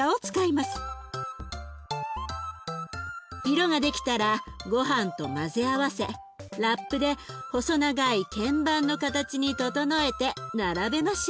色が出来たらごはんと混ぜ合わせラップで細長い鍵盤の形に整えて並べましょう。